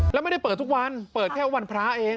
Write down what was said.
แล้วไม่ได้เปิดทุกวันเปิดแค่วันพระเอง